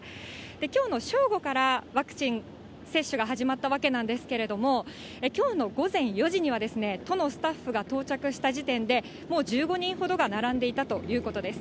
きょうの正午からワクチン接種が始まったわけなんですけれども、きょうの午前４時には、都のスタッフが到着した時点で、もう１５人ほどが並んでいたということです。